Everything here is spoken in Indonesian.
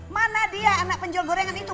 mana dia anak penjual gorengan itu